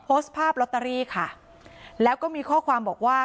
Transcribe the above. โพสต์ภาพลอตเตอรี่ค่ะแล้วก็มีข้อความบอกว่า